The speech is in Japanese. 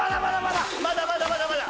まだまだまだまだ！